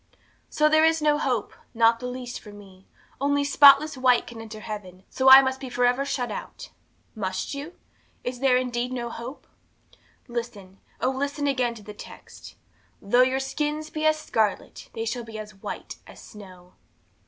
'So there is no hope, not the least, for me! Only spotless white can enter heaven, so I must be for ever shut out! 'Must you? Is there indeed no hope? 'Listen, oh, listen again to the text "though your sins be as scarlet, they shall be as white as snow."